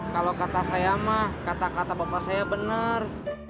kalo kata saya mah kata kata bapak saya bener